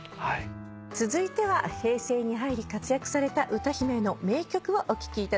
続いては平成に入り活躍された歌姫の名曲をお聴きいただきます。